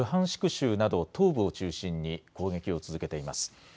州など東部を中心に攻撃を続けています。